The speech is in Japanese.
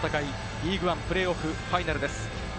リーグワンプレーオフ・ファイナルです。